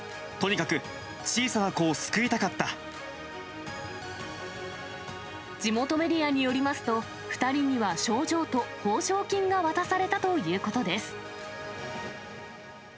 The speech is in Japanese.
とにかく、小さな子を救いたかっ地元メディアによりますと、２人には賞状と報奨金が渡されたということです。